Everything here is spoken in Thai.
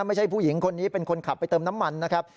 ผู้หญิงคนนี้เป็นคนขับไปเติมน้ำมันนะครับ